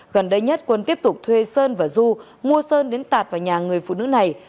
gần đây nhất quân tiếp tục thuê sơn và du mua sơn đến tạt vào nhà người phụ nữ này